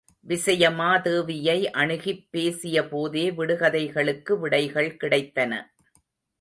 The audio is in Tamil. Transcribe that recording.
விசயமாதேவியை அணுகிப் பேசிய போதே விடுகதைகளுக்கு விடைகள் கிடைத்தன.